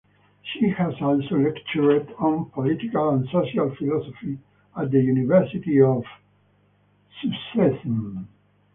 She has also lectured on political and social philosophy at the University of Szczecin.